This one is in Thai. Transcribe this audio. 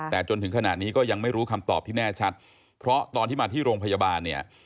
แต่จนถึงขณะนี้ก็ยังไม่รู้คำตอบที่แน่ชัดเพราะตอนที่มาที่โรงพยาบาลเนี่ย